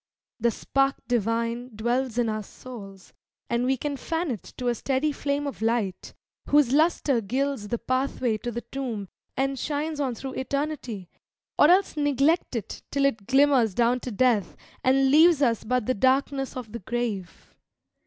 The spark divine dwells in our souls, and we Can fan it to a steady flame of light, Whose luster gilds the pathway to the tomb, And shines on through Eternity, or else Neglect it till it glimmers down to Death, And leaves us but the darkness of the grave.